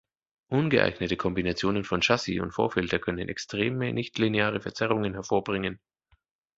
Ungeeignete Kombinationen von Chassis und Vorfilter können extreme nichtlineare Verzerrungen hervorbringen.